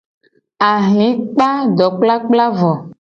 Ahli kpa dokplakpla vo.